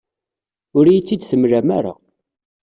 Ur iyi-tt-id-temlam ara.